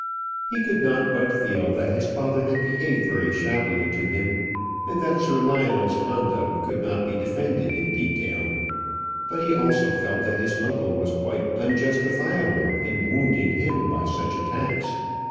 He could not but feel that his father had behaved very shabbily to him, and that Sir Lionel's conduct could not be defended in detail. But he also felt that his uncle was quite unjustifiable in wounding him by such attacks.